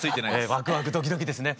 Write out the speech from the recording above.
ワクワクドキドキですね。